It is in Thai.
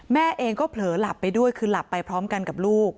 แม่เองก็เผลอหลับไปด้วยคือหลับไปพร้อมกันกับลูก